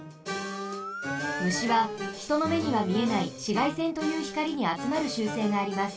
むしはひとのめにはみえないしがいせんというひかりにあつまるしゅうせいがあります。